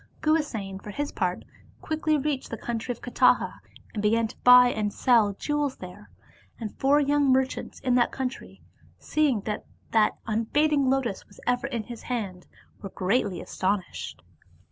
Guhasena for his part quickly reached the coun try of Kataha, and began to buy and sell jewels there. And four young merchants in that country, seeing that that un fading lotus was ever in his hand, were greatly astonished.